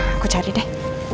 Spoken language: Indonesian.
aku cari deh